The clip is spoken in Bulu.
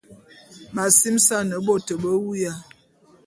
M’asimesan bot be wuya.